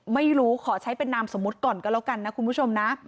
ไม่รู้ขอใช้เป็นนามสมมุติก่อนก็แล้วกันนะคุณผู้ชมนะ